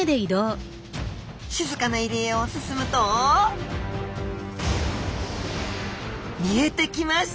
静かな入り江を進むと見えてきました！